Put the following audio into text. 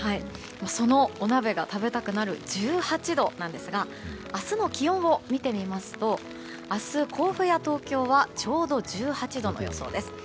そのお鍋が食べたくなる１８度なんですが明日の気温を見てみますと明日、甲府や東京はちょうど１８度の予想です。